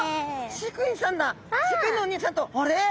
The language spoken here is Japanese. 飼育員のおにいさんとあれ？